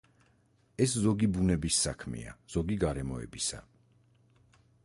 ეს ზოგი ბუნების საქმეა, ზოგი გარემოებისა.